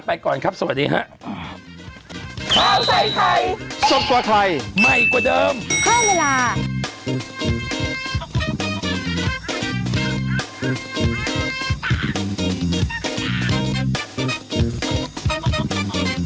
ไปก่อนครับสวัสดีครับ